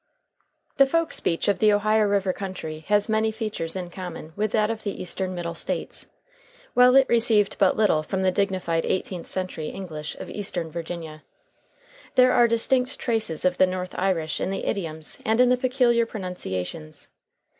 The folk speech of the Ohio River country has many features in common with that of the eastern Middle States, while it received but little from the dignified eighteenth century English of eastern Virginia. There are distinct traces of the North Irish in the idioms and in the peculiar pronunciations.